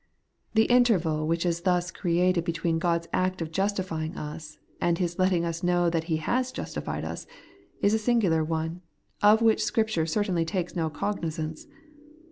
The interval which is thus created between God's act of justifying us, and His letting us know that He has justified us, is a singular one, of which Scripture certainly takes no cognizance.